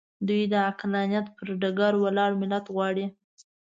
دوی د عقلانیت پر ډګر ولاړ ملت غواړي.